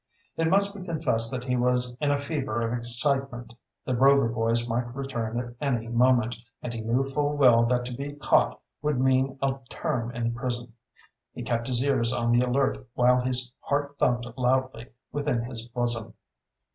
It must be confessed that he was in a fever of excitement. The Rover boys might return at any moment, and he knew full well that to be caught would mean a term in prison. He kept his ears on the alert while his heart thumped loudly within his bosom.